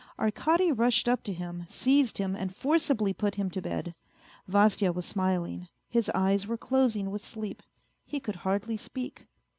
Arkady rushed up to him, seized him and forcibly put him to bed. Vasya was smiling : his eyes were closing with sleep. He could hardly speak.